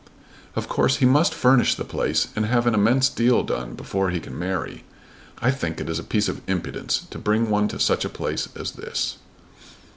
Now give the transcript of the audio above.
"Of course he must furnish the place and have an immense deal done before he can marry. I think it is a piece of impudence to bring one to such a place as this."